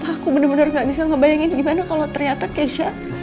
ya allah aku bener bener gak bisa ngebayangin gimana kalo ternyata keisha